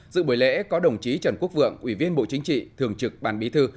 dự buổi lễ có đồng chí trần quốc vượng ủy viên bộ chính trị thường trực ban bí thư